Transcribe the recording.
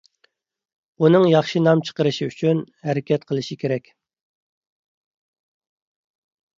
ئۇنىڭ ياخشى نام چىقىرىشى ئۈچۈن ھەرىكەت قىلىشى كېرەك.